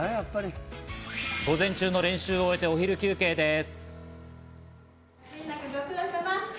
午前中の練習を終えてお昼休憩です。